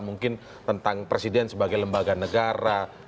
mungkin tentang presiden sebagai lembaga negara